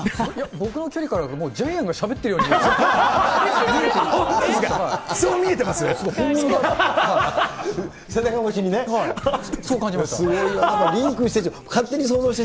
僕の距離からだと、もうジャイアンがしゃべっているようにしか見えなくて。